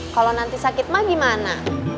kalau nanti sakit mah gimana